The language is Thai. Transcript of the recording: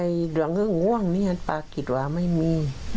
หลังง่วงปากฤตวาไม่มี